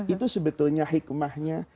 itu sebetulnya hikmahnya